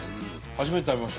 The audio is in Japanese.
初めて食べました